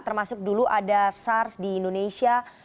termasuk dulu ada sars di indonesia